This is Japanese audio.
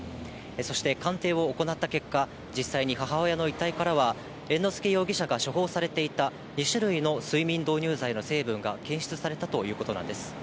そして鑑定を行った結果、実際に母親の遺体からは、猿之助容疑者が処方されていた２種類の睡眠導入剤の成分が検出されたということなんです。